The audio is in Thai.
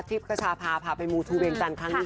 กระชาพาพาไปมูทูเวงจันทร์ครั้งนี้